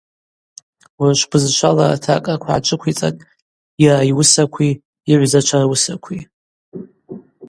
Урышв бызшвала ратакӏраква гӏаджвыквицӏатӏ йара йуысакви йыгӏвзачва руысакви.